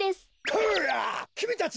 こらっきみたち！